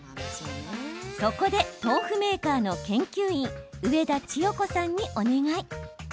そこで、豆腐メーカーの研究員上田知世子さんにお願い。